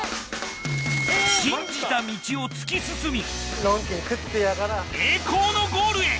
信じた道を突き進み栄光のゴールへ。